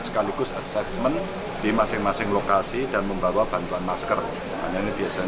sekaligus assessment di masing masing lokasi dan membawa bantuan masker hanya ini biasanya